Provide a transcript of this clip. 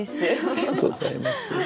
ありがとうございます。